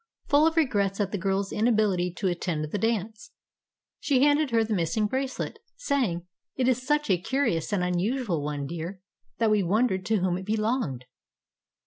Full of regrets at the girl's inability to attend the dance, she handed her the missing bracelet, saying, "It is such a curious and unusual one, dear, that we wondered to whom it belonged.